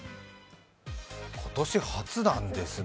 今年初なんですね。